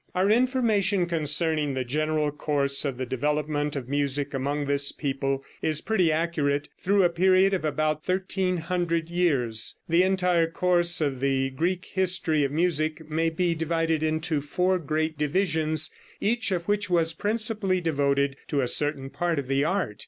Our information concerning the general course of the development of music among this people is pretty accurate through a period of about 1300 years. The entire course of the Greek history of music may be divided into four great divisions, each of which was principally devoted to a certain part of the art.